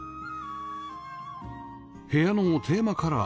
部屋のテーマカラー